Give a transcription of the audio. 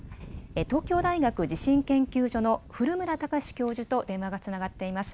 東京大学地震研究所の古村孝志教授と電話がつながっています。